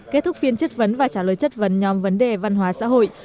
kết thúc phiên chất vấn và trả lời chất vấn nhóm vấn đề văn hóa xã hội